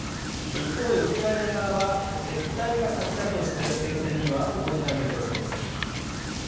一方でウクライナ側は撤退が先だとして停戦には応じない見通しです。